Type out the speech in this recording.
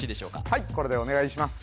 はいこれでお願いします